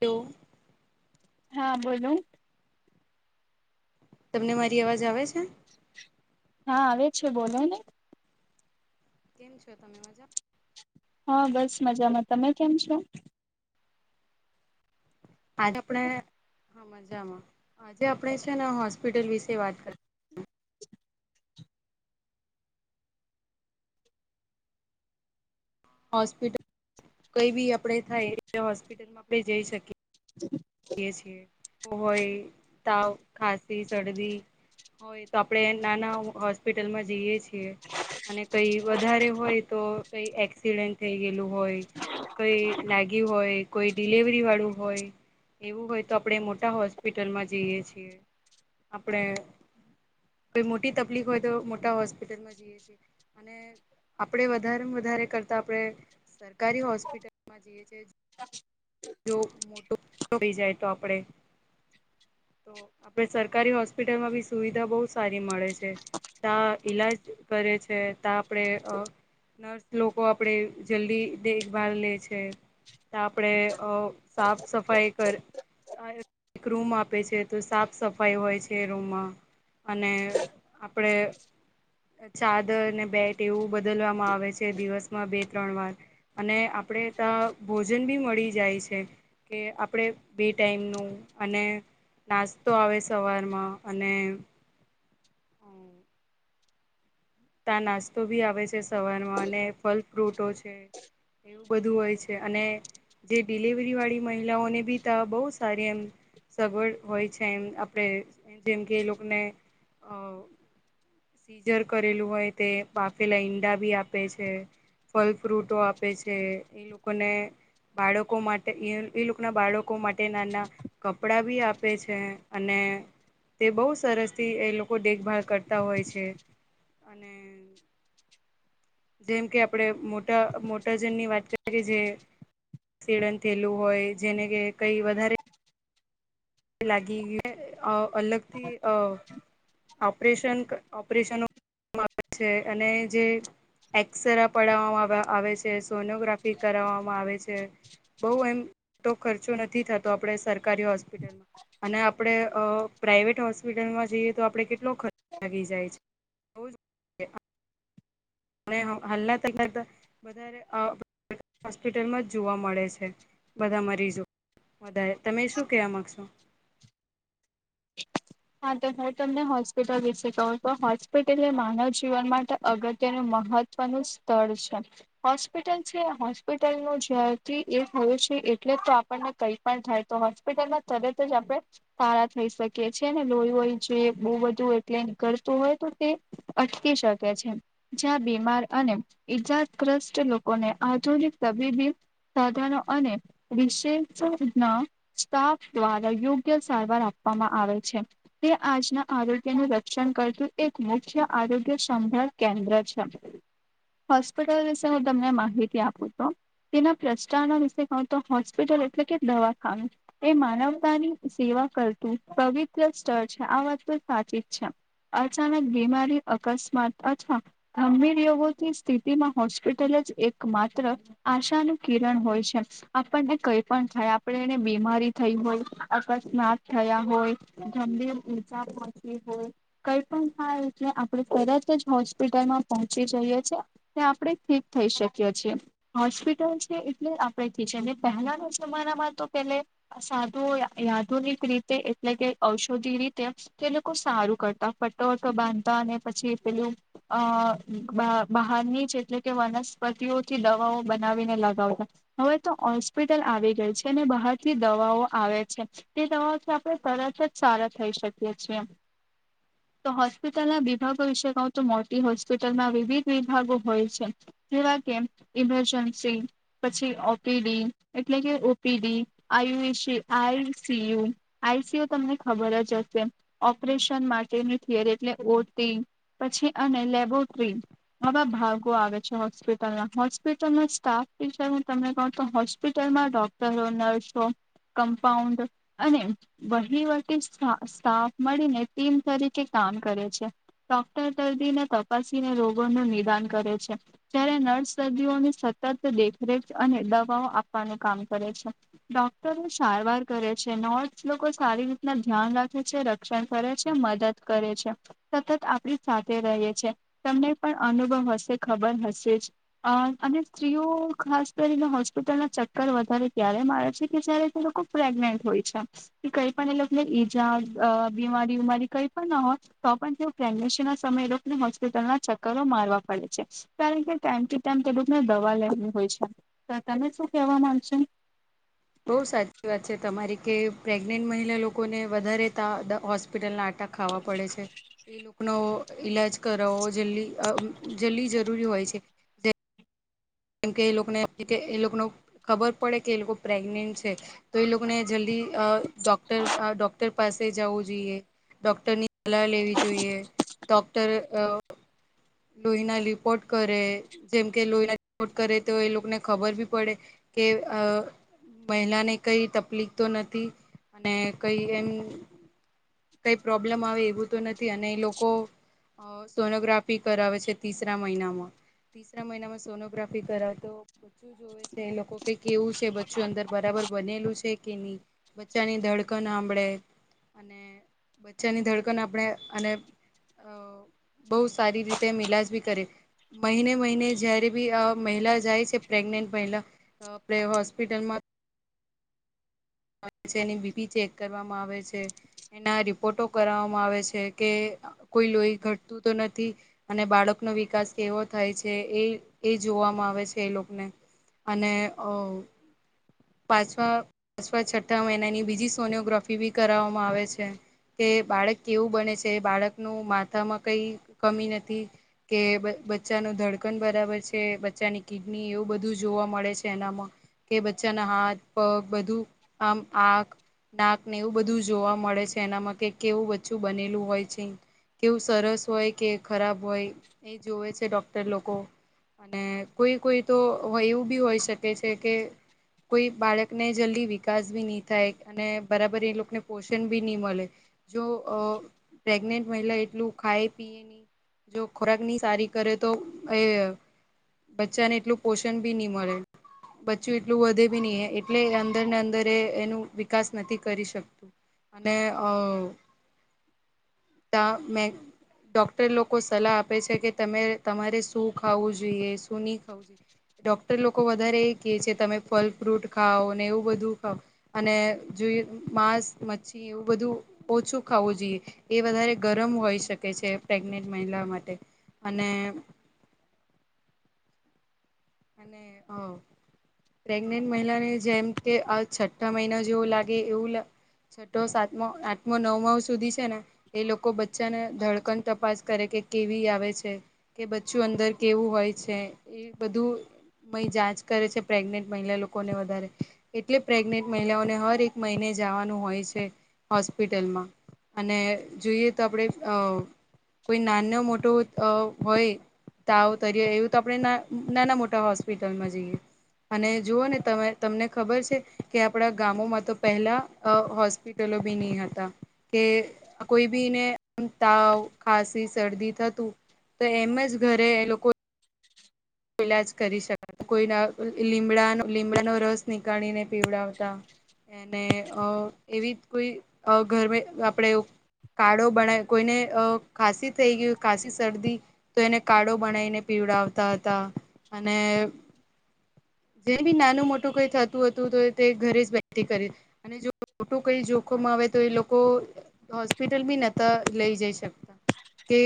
તો હા બોલો. તમને મારી અવાજ આવે છે. હા આવે છે બોલો ને. કેમ છો તમે મજામાં. હા બસ મજામાં તમે કેમ છો? આજ આપણે હા મજામાં આજે આપણે છે ને હોસ્પિટલ વિશે વાત કર હોસ્પિટલ કઈ બી આપણેે થાય હોસ્પિટલમાં આપણે જઈ શકીએ. જયે છીએ આવતો હોય તાવ, ખાંસી, શરદી હોય તો આપણે નાના હોસ્પિટલમાં જઈએ છીએ અને કઈ વધારે હોય. તો કઈ એક્સિડેન્ટ થઈ ગયેલું હોય. કઈ લાગ્યું હોય, કોઈ ડિલવરી વાળું હોય. એવું હોય તો આપણે મોટા હોસ્પિટલમાં જઈએ છીએ. આપણે કોઈ મોટી તકલીફ હોય તો મોટા હોસ્પિટલમાં જઈએ છે અને આપણે વધારે વધારે કરતા આપણે સરકારી હોસ્પિટલમાં જીઈએ છે. જો મોટો થઈ જાય તો આપણે તો આપડે સરકારી હોસ્પિટલમાં બી સુવિધા બઉ સારી મળે છે. તા ઈલાજ કરે છે તા આપડે અ નર્સ લોકો આપડે જલ્દી દેખભાળ લે છે તા આપડે અ સાફ, સફાઈ કર અ એક રૂમ આપે છે તો સાફ સફાઈ હોય છે એ રૂમમાં અને આપણે ચાદર ને, બેટ એવું બદલવામાં આવે છે દિવસમાં બે ત્રણ વાર અને આપડે તા ભોજન બી મળી જાય છે કે આપણે બે ટાઈમનું અને નાસ્તો આવે સવારમાં અને હમમ તા નાસ્તો ભી આવે છે સવારમાં અને ફલ, ફ્રૂટો છે. એવું બધું હોય છે અને જે ડિલીવરી વાળી મહિલાઓને ભી તા બો સારી એમ સગવડ હોય છે એમ આપડે અ જેમ કે એ લોકોને [inaudible] સીઝર કરેલું હોય તે બાફેલા ઈંડા ભી આપે છે. ફ્લ, ફ્રૂટો આપે છે એ લોકોને બાળકો માટે એ લોકો ના બાળકો માટે નાના કપડા ભી આપે છે અને તે બો સરસ થી એ લોકો દેખભાળ કરતા હોય છે. છે અને જેમ કે આપણેે મોટા મોટાજન ની વાત કરીએ જે એકસીડન થેયલું હોય જેને કે કંઈ વધારે લાગી ગય અલગથી અ ઓપરેશન ઓપરેશનો આવે છે અને જે એક્સરા પડાવવામાં આવે છે, સોનોગ્રાફી કરાવવામાં આવે છે. બઉ એમ તો ખર્ચો નથી થતો આપડે સરકારી હોસ્પિટલમાં અને આપણે અ પ્રાાઈવેટ હોસ્પિટલમાં જઈએ તો આપડે કેટલો ખર્ચો આવી જાય છે. બો જ અને હાલના [unintelligible] વધારે હોસ્પિટલમાં જ જોવા મળે છે. બધા મરીજો વધારે તમે શું કેવા માંગશો? હા તો હું તમને હોસ્પિટલ વિશે કહું તો હોસ્પિટલ એ માનવ જીવન માટે અગત્યનું મહ મહત્વનું સ્થળ છે હોસ્પિટલ છે. હોસ્પિટલ નું જ્યારથી એ હોય છે એટલે તો આપણને કઈ પણ થાય તો હોસ્પિટલમાં તરત જ આપડે સારા થઈ શકીએ છીએ. છે ને લોહી હોય જો બહ બધું એટલે કરતું હોય તો તે અટકી શકે છે બીમાર અને ઈજગ્રસ્ત લોકોને આધુનિક તબીબી સાધનો સ દ્વારા યોગ્ય સારવાર આપવામાં આવે તે આજના આરોગ્ય નું રક્ષણ કરતું એક મુખ્ય આરોગ્ય સંભાળ કેન્દ્ર અચ્છા હોસ્પિટલ વિશે હું તમને માહિતી આપું તો તેના પ્રષ્ટારના વિશે કહું તો હોસ્પિટલ એટલે કે દવાખાનું એ માનવતાની સેવા કરતું પવ સ્ત છે આ વાત તો સાચી જ છે અચાનક બીમારી અકસ્માત અથવા ગંભીર યોગોથી સ્થિતિમાં હોસ્પિટલ જ એક માત્ર આશાનું કિરણ હોય છે આપણને કઈ પણ થાય આપણે એને બીમારી થઈ હોય અકસ્માત થયા હોય ગંભીર ઉર્જા પહોચી હોય કઈ પણ થાય છે આપણે તરત જ હોસ્પિટલમાં પહોચી જઈએ છે તે આપણે ઠીક થઈ શકીએ છીએ હોસ્પિટલ છે એટલે આપણે અને પહેલાના જમાનામાં તો પે સાધુ આધુનિક રીતે એટલે કે ઔષધી રીતે તે લોકો સારું કરતા ફટોફટો બાંધતા અને પછી પેલું અ બહારની જ એટલે કે વનસ્પતિઓથી દવાઓ બનાવીને લગાવતા હવે તો હોસ્પિટલ આવી ગઈ છે અને બહારથી દવાઓ આવે છે તે દવાઓથી આપણે સરસ જ સારા થઈ શકીએ એમ તો હોસ્પિટલના વિભાગો વિશે કઉ તો મોટી હોસ્પિટલમાં વિવિધ વિભાગો હોય છે જેવા કે ઇમરજન્સી પછી ઓપીડી એટલે કે ઓપીડી આય આ સીયુ આઈ સુ તમને ખબર જ હશે ઓપરેશન માટેની થિયરી એટલે ઓટી પછી અને લેબોરેટરી આવા ભાગો આવે છે હોસ્પિટલમાં હોસ્પિટલમાં સ્ટાફ બી છે હું તમને ક તો હોસ્પિટલ ડોક્ટરો નર્સો કમ્પાઉન્ડ અને વહીવ સ્ટાફ મળીને ટીમ તરીકે કામ કરે છે ડોક્ટર દર્દીને તપાસ રોગોનુંું નિદાન કરે છે ત્યારે નર્સ દર્દીઓની સતત દેખરેખ અને આપવાનું કામ કરે છે ડોક્ટરો સારવાર કરે છે નર્સ લોકો સારી રીતે ના ધ્યાન રાખે છે રક્ષણ કરે છે મદદ કરે છે સતત આપડી સાથે ર છે તમને પણ અનુભવ હશે ખબર હશે જ અને સ્ત્રીઓ ખાસ કરીને હોસ્પિટલ ચક્કર વધારે ત્યારે મળ આવે છે કે જયારે તે લોકો પ્રેગ્નેન્ટ હોય છે કે કઈ પણ એલે ઈજા બીમારી ઉમારી કઈ પણ ના હોત તો પણ તેઓ પ્રેગ્નેશન ના સમયે લોકોને હોસ્પિટલ ચક્ક મારવા પડે છે કારણ કે ટાઈમ ટુ ટાઈમડકને દવા લે હોય છે તમે શું કેવા માંગશેો બહુ સાચી વાત છે તમારી કે પ્રેગ્નેન્ટ મહિલા લોકોને વધારે ત હોસ્પિટલના આટા ખાવા પડે છે એ લોકોનો ઈલાજ કરાવો જલ્દી જલ્દી જરૂરી હોય છે કેમ કે એ લોકોને એ લોકો ખબર પડે કે એ લોકો પ્રેગ્નેન્ટ છે તો એ લોકોને જલ્દી ડોક્ટર ડોક્ટર પાસે જવું જોઈએ ડોક્ટરની સલાહ લેવી જોઈએ ડોક્ટર લોહીના રિપોર્ટ કરે જેમ કે લોહીના રિપોર્ટ કરે તો એ લોકોને ખબર ભી પડે કે મહિલા ને કઈ તકલીફ તો નથી અને કઈ એમ કઈ પ્રોબ્લેમ આવે એવું તો નથી અને એ લોકો અ સોનોગ્રાફી કરાવે છે તીસરા મહિનામાં ત્રીસરા મહિનામાં સોનોગ્રાફી કરાવ તો બચ્ચું જોવે છે એ લોકો કે કેવું છે બચ્ચું અંદર બરાબર બનેલું છે કે નહી બચ્ચાની ધડકંળે અને બચ્ચાની ધડકન આપણે અને અ બહુ સારી રીતે એ ઇલાજ ભી કરે મહિને મહિને જયારે બી આ મહિલા જાય છે પ્રેગ્નેન્ટ મહિલા હોસ્પિટલમાં આવે છે અને બીપી ચેક કરવામાં આવે છે. એના રિપોર્ટઓ કરવામાં આવે છે કે કોઈ લોહી ઘટતું તો નથી અને બાળકો નો વિકાસ કેવો થાય છે એ એ જોવામાં આવે છે એ લોકોને અને અ પાછવા પાસવા છઠ્ઠા મહિનાની બીજી સોનિયોગ્રોફી બી કરાવવામાં આવે છે. કે બાળક કેવું બને છે બાળકનું માથામાં કઈ કમી નથી કે પછી બચ્ચાનું ધડકન બરાબર છે. બચ્ચાની કિડની એવું બધું જોવા મળે છે એનામાં. કે બચ્ચાના હાથ, પગ બધું આમ આંખ નાક ને એવું બધું જોવા મળે છે એનામાં કે કેવું બચ્ચું બનેલું હોય છે. કેવું સરસ હોય કે ખરાબ હોય એ જોવે છે ડોક્ટર લોકો. અને કોઈ-કોઈ તો એવું બી હોય શકે છે કે કોઈ બાળકને જલ્દી બી વિકાસ ભી ની થાય અને બરાબર એ લોકોને પોષણ બી ની મલે જો અ પ્રેગ્નેન્ટ મહિલા એટલું ખા પીય ની. જો ખોરાકની સારી કરે તો એ બચ્ચાને એટલું પોષણ બી ની મળે. બચ્ચું એટલું વધે બી ની એટલે અંદર ને અંદર રે. એનું વિકાસ નથી કરી શકતું અને અ ત મે. ડોક્ટર લોકો સલાહ આપે છે કે તમે તમારે શું ખાવું જોઈએ શું ની ખાવું જોઈએ ડોક્ટર લોકો વધારે એ કે છે તમે ફલ ફ્રુટ ખાઓ ને એવું બધું ખાઓ. અને જોઈ માંસ મચ્છી એવું બધું ઓછું ખાવું જોઈએ એ વધારે એ ગરમ હોઈ શકે છે પ્રેગ્નેન્ટ મહિલા માટે અને [inaudible] અને હ પ્રેગ્નેન્ટ મહિલાને જેમ કે આ છઠ્ઠા મહિના જેવું લાગે એવું લાગ છઠ્ઠો, સાતમો, આઠમો, નવમો સુધી છે ને એ લોકો બચ્ચાને ધડકન તપાસ કરે કે કે કેવી આવે છે કે બચ્ચું અંદર કેવું હોય છે એ બધું જાંચ કરે છે પ્રેગ્નેન્ટ મહિલા લોકોને વધારે એટલે પ્રેગ્નેન્ટ મહિલાઓને હર એક મહિ મહિને જવાનું હોય છે હોસ્પિટલમાં. અને જોઈએ તો આપડે અ કોઈ નાનો મોટો અ હોય તાવ તરય એવું તો આપણે નાના મોટા તો હોસ્પિટલમાં જઈએ. અને જુઓને તમે તમને ખબર છે કે આપણા ગામોમાં તો પહેલા અ હોસ્પિટલો હોસ્પિટલો બી ની હતા કે કોઈ બી ને તાવ, ખાસી, શરદી થતું તો એમ જ ઘરે એ લોકો ઈલાજ કરી શકતા. કોઈ રાવ લીમડાનો લીમડાનો રસ નીકાળીને પીવડાવતા. એને અ એવી કોઈ અ ઘરમે આપડે ઉપ કાળો બણા કોઈને અ ખાસી થઈ ગયુ. ખાસી શરદી તો એને કાળો બનાઈને પી પિડાવતા હતા અને [inaudible] જે બી નાનું મોટું કઈ થતું હતું તો તે ઘરે જ વ્યક્તિ કરી દે અને જો મોટું કઈ જોખમ આવ્યું હવે તો એ લોકો હોસ્પિટલ બી નતા લઈ જઈ શકતા. તે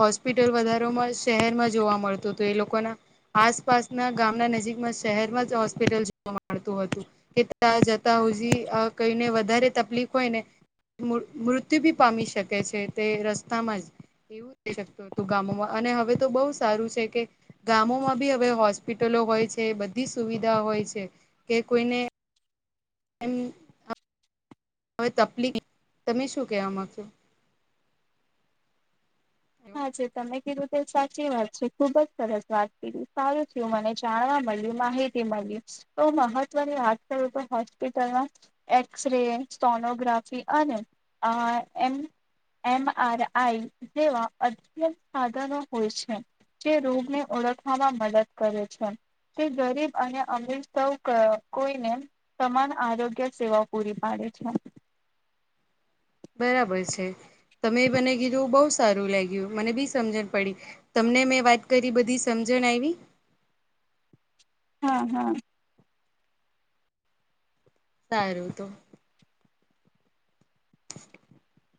હોસ્પિટલ વધારોમાં શહેરમાં જોવા મળતું તુ એ લોકો કોના આસપાસના ગામના નજીકમાં શહેરમાં જ હોસ્પિટલ જોવા મળતું હતું કે ત્યાં જતા હોજી અ કોઈને વધારે તકલીફ હોય ને. મૃ મૃત્યુ ભી પામી શકે છે તે રસ્તામાં જ. એવું થઈ શકતું હતું ગામોમાં અને હવે તો બહુ સારું છે કે ગામોમાં બી હવે હોસ્પિટલો હોય છે બધી સુવિધા હોય છે. કે કોઈને એમ હવે તપલીક તમે શું કહેવા માંગ છો? હા જે તમે કીધું તે સાચી વાત છે. ખુબ જ સરસ વાત કીધી સારું થયું મને જાણવા મળ્યું માહિતી મળ્યું તો મહત્વની વાત કરું તો હોસ્પિટલમાં એક્સરે સ્ટોનોગ્રાફી અને અ એમ એમ આર આઈ જેવા અધ્યન સાધનો હોય છે જે રોગને ઓળખવામાં મદદ કરે છે. તે ગરીબ અને અમીર સૌ કોઈને સમાન આરોગ્ય સેવાઓ પૂરી પાડ એછા બરાબર છે. તમે બને કીધું બહુ સારું લાગ્યું મને બી સમજણ પડી તમને મેં વાત કરી બધી સમજ ન આયવી. [unintelligible] હા હા. સારું તો. [unintelligible]